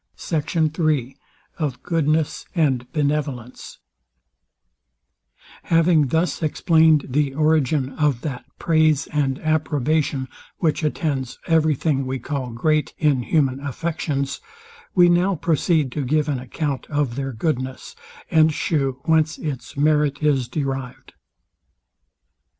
V. SECT. III OF GOODNESS AND BENEVOLENCE Having thus explained the origin of that praise and approbation, which attends every thing we call great in human affections; we now proceed to give an account of their goodness, and shew whence its merit is derived.